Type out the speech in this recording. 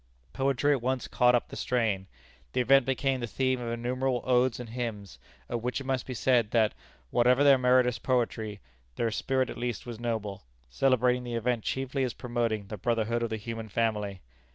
Poetry at once caught up the strain. The event became the theme of innumerable odes and hymns, of which it must be said that, whatever their merit as poetry, their spirit at least was noble, celebrating the event chiefly as promoting the brotherhood of the human family.